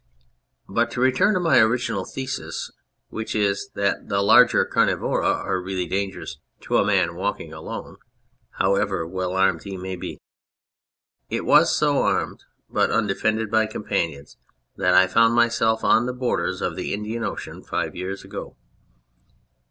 ... But to return to my original thesis, which is that the larger carnivora are really dangerous to a man walking alone, however well armed he may be. It was so armed but unde fended by companions that I found myself on the borders of the Indian Ocean five years ago